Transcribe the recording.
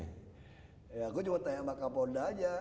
ya gue cuma tanya sama kapolda aja